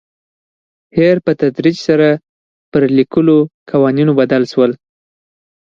هیر په تدریج سره پر لیکلو قوانینو بدل شول.